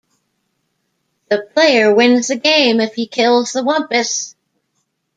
The player wins the game if he kills the Wumpus.